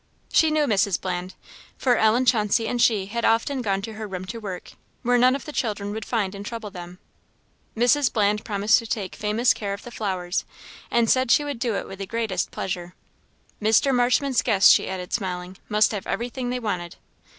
She knew Mrs. Bland, for Ellen Chauncey and she had often gone to her room to work, where none of the children would find and trouble them. Mrs. Bland promised to take famous care of the flowers, and said she would do it with the greatest pleasure. "Mr. Marshman's guests," she added, smiling, "must have everything they wanted."